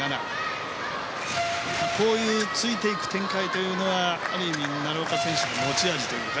こういうついていく展開というのはある意味奈良岡選手の持ち味というか。